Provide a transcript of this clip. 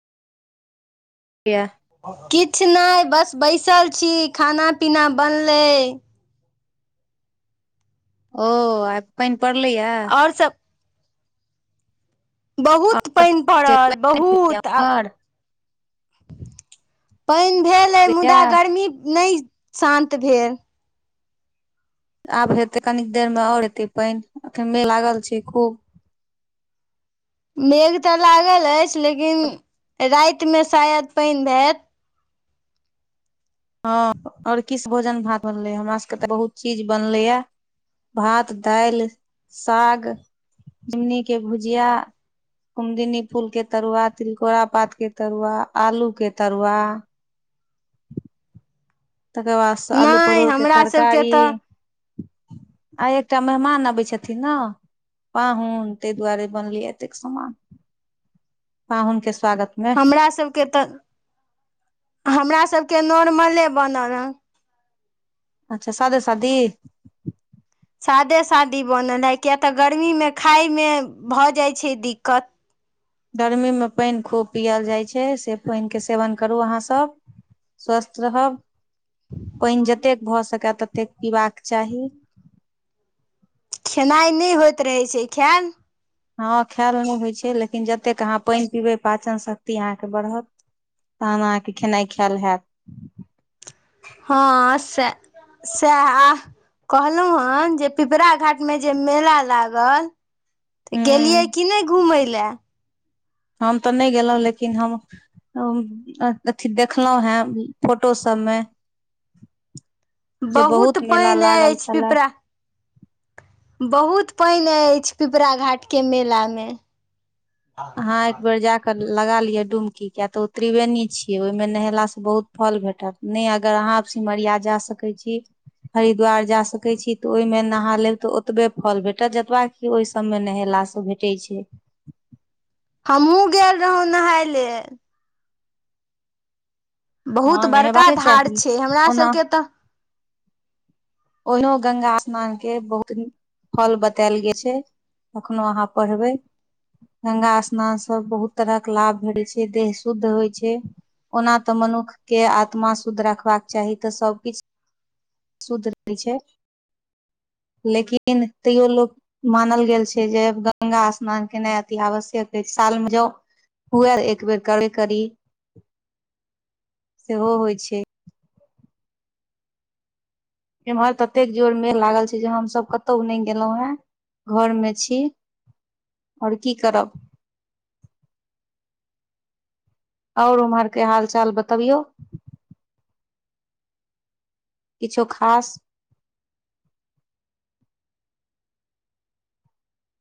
यैह। किछ नहि बस बैसल छी, खाना-पीना बनलै। ओ, आइ पइन पड़लै ये। आओर सब बहुत पइन पड़ल बहुत आ आओर पइन भेल अइ लिया। मुदा गर्मी नहि शान्त भेल। आब हेतै कनीक देर में और हेतै पइन एखन मेघ लागल छैय, खूब। मेघ तऽ लागल अछि, लेकिन रातिमे शायद पइन हैत। हँ और कि सब भोजन भात बनलै ये, हमरा सबके तऽ बहुत चीज बनलै या। भात दालि साग, झिमनी के भुजिया कुमदनी फूल के तरुआ, तिलकोरा पात के तरुआ, आलू के तरुआ तकर बाद से आलू नहि परोड़के हमरा सबके तरकारी, तऽ आई एकटा मेहमान अबै छथिन ने। पाहुन, तै दुआरे बनलैए एतेक समान, पाहुन के स्वागत मे हमरासबके तऽ, हमरासबके नॉर्मले बनल हँ। अच्छा सादे सादी। सादे सादी बनल हे, किये तऽ गर्मीमे खायमे भऽ जाय छै दिक्कत। गर्मीमे पानि खूब पियल जाइत छै से पानिके सेवन करू अहाँसभ। स्वस्थ रहब, पानि जतेक भऽ सकए ततेक पीबाक चाही। खेनाइ नहि होइत रहै छै खायल। हँ खायल नहि होइत छै लेकिन जतेक अहाँ पानि पीबै पाचन शक्ति अहाँके बढ़त। तखन अहाँके खेनाइ खायल हएत। हँ सए सैह। कहलहुं हन जे पिपराघाट मे जे मेला लागल तऽ गेलियै हूँ कि नहि घूमय लए। हम तऽ नहि गेलहुँ लेकिन हम अथी देखलहुं हें फोटो सब मे जे बहुत मेला पइन लागल अछि छलए पिपरा बहुत पानि अछि पिपराघाट के मेलामे अहाँ एक बेर जा कनि लगा लियऽ डुबकी किया तऽ ओ त्रिवेणी छियै ओहिंमे नहेला स बहुत फल भेटत। नहि अगर अहाँ सिमरिया जा सकैत छी हरिद्वार जा सकैत छी तऽ ओहिमे नहा लेब तऽ ओतबे फल भेटत जतबा कि कि ओहि सभमे नहेलासँ भेटै छै। हमहुँ गेल रही नहाय लेल। बहुत हँ बड़का नहेबाके धार चाही छै हमरा ओना सभके तऽ ओहिनो गंगा स्नान के बहुत नीक फल बतायल गेल छै। अखनो अहाँ पढ़बै। गंगा स्नानसँ बहुत तरहक लाभ भेटै छै देह शुद्ध होइ छै। ओना तऽ मनुष्यके आत्मा शुद्ध रखबाक चाही तऽ सभकिछु शुद्ध। लेकिन तैयो लोक। मानल गेल छै जे गंगा स्नान केनाइ अति आवश्यक अछि साल मे जाउ। हुए एक बेेर करे करी सेहो होइ छै। एम्हर ततेक जोर मेेघ लागल छै जे हमसभ कतहु नहि गेलहुँ हें। घर मे छी ओर की करब। आओर उम्हर के हाल चाल बतऽबियौ। किछो खास।